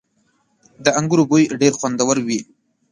• د انګورو بوی ډېر خوندور وي.